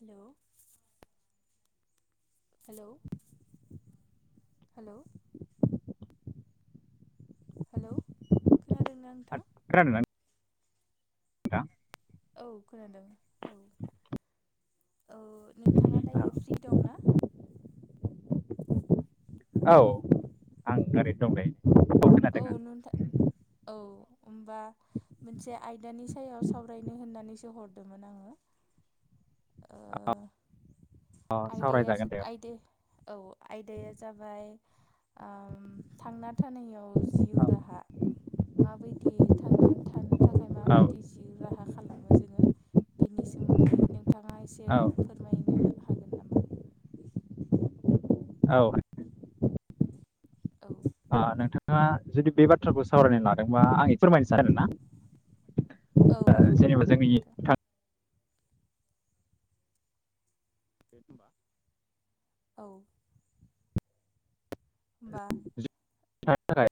Hello. Hello. Hello. Hello खोनादोंना नोंथां? खोनादोंना। नोंथां। औ खोनादों औ औ नोंथाङा दायो फ्रि दं ना। औ हेलौ आं ओरैनो दं नै। औ खोनादों औ आं नोंथां। औ ओनबा मोनसे आयदानि सायाव सावरायनो होननानैसो हरदोंमोन आङो। ओ अ आयदाया सावरायजागोन दे औ आयदो औ आयदाया जाबाय ओम थांना थानायाव जिउ राहा। माबायदि थांनानै थानो थाखाय औ माबायदि जि राहा खालामो जोङो बिनि सोमोन्दै नोंथाङा एसे फोर मायनो हागोन नामा? औ। औ। ओ नोंथाङा जुदि बे बाथ्राखौ सावरायनो लादोंबा आं फोरमायनोसै आरोना। औ ओ औ जेनेबा जोंनि नोंथां। थां- औ। होमबा थानो थाखाय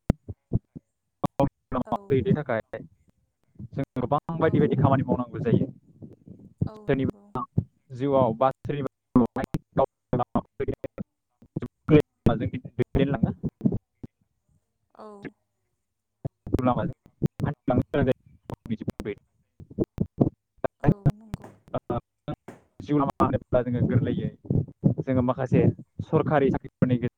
[unintelligible] औ बायदि औ बायदि खामानि मावनांगौ जायो औ नंगौ सोरनिबा [unintelligible] जिउआव बा सोरबा [unintelligible] [unintelligible] औ। [unintelligible] नंगौ [unintelligible] जिउ लामा होनोब्ला जों गोरलैयै जोङो माखासे सरकारि साख्रिफोरनि गेजेराव